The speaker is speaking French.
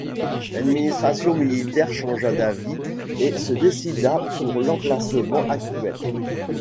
L'administration militaire changea d'avis et se décida pour l'emplacement actuel.